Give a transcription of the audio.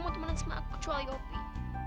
mau temen temen aku cuai opi